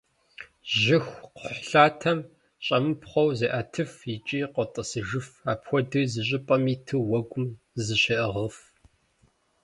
Жьыхукхъухьлъатэм щӏэмыпхъуэу зеӏэтыф икӏи къотӏысыжыф, апхуэдэуи зы щӏыпӏэм иту уэгум зыщеӏыгъыф.